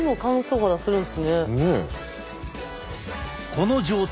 この状態